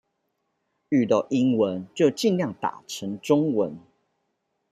遇到英文就儘量打成中文